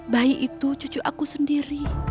bayi itu cucu aku sendiri